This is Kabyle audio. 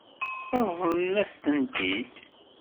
Ṛeḍlen-as-tent-id?